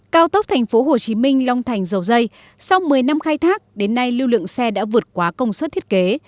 cao tốc tp hcm long thành dầu dây sau một mươi năm khai thác đến nay lưu lượng xe đã vượt quá công suất thiết kế